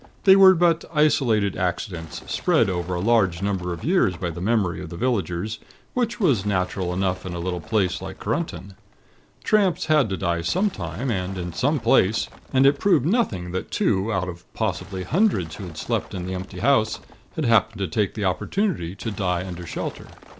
They were but isolated accidents, spread over a large number of years by the memory of the villagers, which was natural enough in a little place like Korunton. Tramps had to die some time, and in some place, and it proved nothing that two, out of possibly hundreds who had slept in the empty house, had happened to take the opportunity to die under shelter.